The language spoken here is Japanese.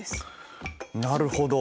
なるほど。